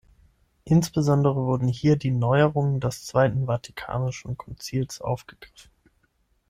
Insbesondere wurden hier die Neuerungen des Zweiten Vatikanischen Konzils aufgegriffen.